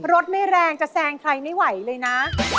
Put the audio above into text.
รถไม่แรงจะแซงใครไม่ไหวเลยนะ